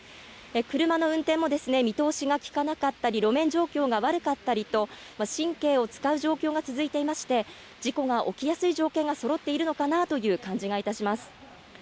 車の運転も見通しが利かなかったり、路面状況が悪かったりと、神経を使う状況が続いていまして、事故が起きやすい条件がそろっているのかなという感じがいたします。